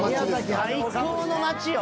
最高の街よ